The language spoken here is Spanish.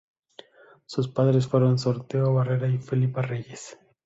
Sus Padres fueron Sotero Barrera y Felipa Reyes.